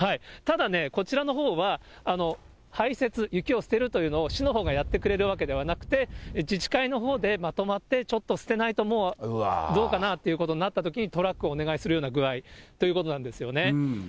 ただね、こちらのほうは排雪、雪を捨てるというのを市のほうがやってくれるわけではなくて、自治会のほうでまとまってちょっと捨てないともうどうかなということになったときに、トラックをお願いするような具合ということなんですよね。